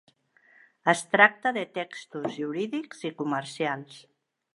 Es tracta de textos jurídics i comercials.